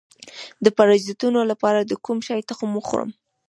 د پرازیتونو لپاره د کوم شي تخم وخورم؟